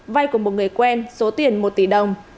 vay của một người quen số tiền một tỷ đồng